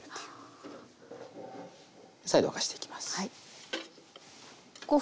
再度沸かしていきます。